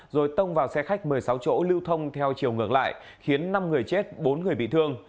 rồi tông vào xe khách một mươi sáu chỗ lưu thông theo chiều ngược lại khiến năm người chết bốn người bị thương